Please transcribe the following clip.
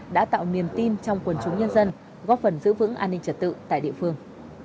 đã tạo niềm tin trong quần chúng nhân dân góp phần giữ vững an ninh trật tự tại địa phương